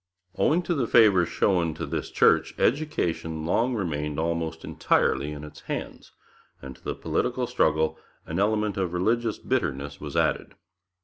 Owing to the favour shown to this Church, education long remained almost entirely in its hands, and to the political struggle an element of religious bitterness was added.